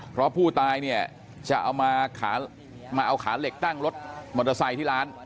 เพราะผู้ตายจะเอาขาเหล็กตั้งรถมอเตอร์ไซค์ที่ร้าน